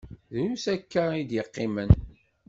Drus akya i d-iqqimen.